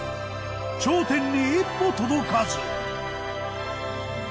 頂点に一歩届かず。